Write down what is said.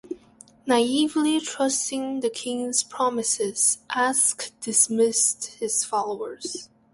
Naively trusting the king's promises, Aske dismissed his followers.